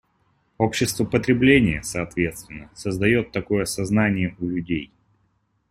Общество потребления, соответственно, создает такое сознание у людей.